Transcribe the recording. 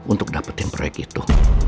untuk dapetin proyek itu